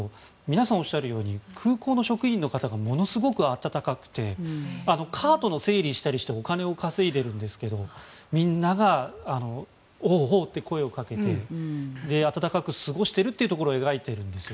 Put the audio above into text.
皆さんがおっしゃるように空港の職員の方がものすごく温かくてカートの整理なんかをしてお金を稼いでいるんですけどみんなが、おうって声をかけて暖かく過ごしているところを描いているんです。